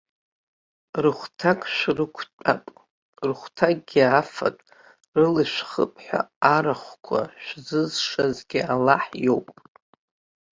Рыхәҭак шәрықәтәап, рыхәҭакгьы афатә рылышәхыԥҳәа арахәқәа шәзызшазгьы Аллаҳ иоуп.